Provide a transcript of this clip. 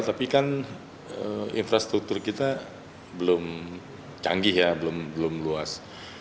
tapi kan infrastruktur kita belum canggih ya belum luas